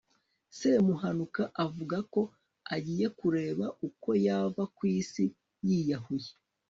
semuhanuka avuga ko agiye kureba uko yava ku isi yiyahuye